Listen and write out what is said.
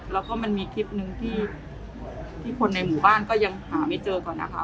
แล้วก็มันมีคลิปหนึ่งที่คนในหมู่บ้านก็ยังหาไม่เจอก่อนนะคะ